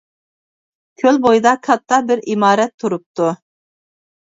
كۆل بويىدا كاتتا بىر ئىمارەت تۇرۇپتۇ.